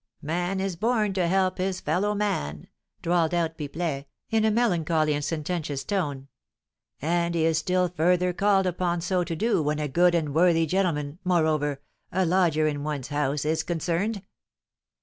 "Man is born to help his fellow man," drawled out Pipelet, in a melancholy and sententious tone; "and he is still further called upon so to do when a good and worthy gentleman, moreover, a lodger in one's house, is concerned."